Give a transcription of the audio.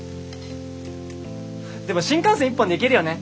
でも新幹線１本で行けるよね！